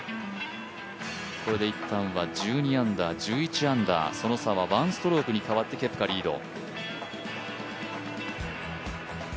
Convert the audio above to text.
これで一旦は１２アンダー、１１アンダー、その差は１ストロークに変わってケプカがリード。